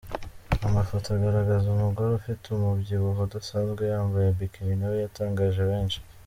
Amafoto agaragaza umugore ufite umubyibuho udasanzwe yambaye Bikini nawe yatangaje benshi .